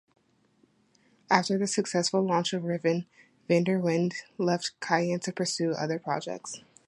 After the successful launch of "Riven", Vander Wende left Cyan to pursue other projects.